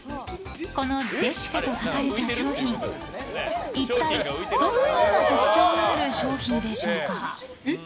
このｄｅｓｉｃａと書かれた商品一体どのような特徴がある商品でしょうか。